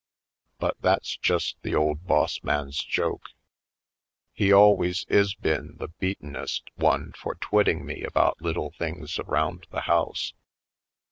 But that's just the old boss man's joke. He always is been the beatenest one for twitting me about little things around the house!